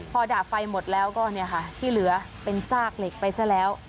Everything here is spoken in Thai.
พอดับไฟหมดแล้วก็เนี่ยค่ะที่เหลือเป็นซากเหล็กไปซะแล้ว